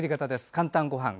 「かんたんごはん」。